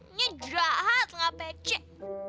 ini jahat gak pecek